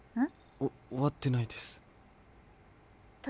おわってないです。